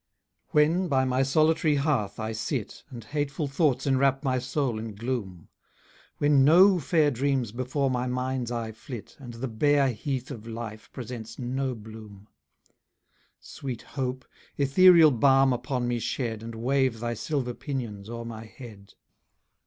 When by my solitary hearth I sit, And hateful thoughts enwrap my soul in gloom; When no fair dreams before my "mind's eye" flit, And the bare heath of life presents no bloom; Sweet Hope, ethereal balm upon me shed, And wave thy silver pinions o'er my head.